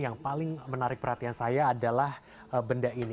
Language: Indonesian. yang paling menarik perhatian saya adalah benda ini